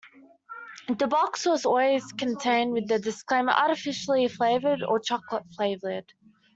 The box always contained the disclaimer "artificially flavored" or "chocolate flavored".